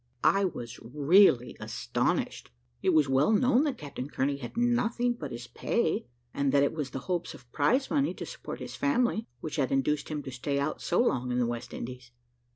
I was really astonished. It was well known that Captain Kearney had nothing but his pay, and that it was the hopes of prize money to support his family, which had induced him to stay out so long in the West Indies.